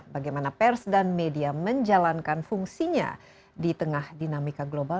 bagaimana pers dan media menjalankan fungsinya di tengah dinamika global